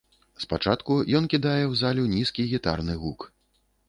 Спачатку ён кідае ў залю нізкі гітарны гук.